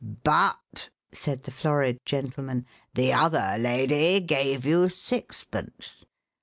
"But," said the florid gentleman, "the other lady gave you sixpence."